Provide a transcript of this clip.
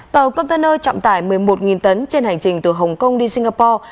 tàu container trọng tải một mươi một tấn trên hành trình từ hồng kông đi singapore